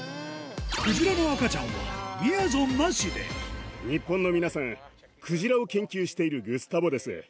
クジラの赤ちゃんは、みやぞんな日本の皆さん、クジラを研究しているグスタボです。